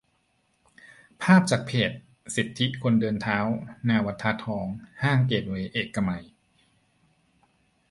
ภาพจากเพจ สิทธิคนเดินเท้า - หน้าวัดธาตุทอง ห้างเกตเวย์เอกมัย